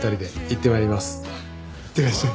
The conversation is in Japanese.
いってらっしゃい。